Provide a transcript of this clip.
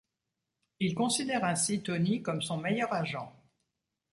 Il considère ainsi Tony comme son meilleur agent.